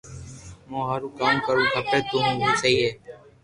مون ھارو ڪاو ڪروھ کپي تو ھون سھي ھي